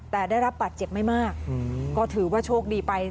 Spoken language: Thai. แต่ได้รับบาดเจ็บไม่มากก็ถือว่าโชคดีไป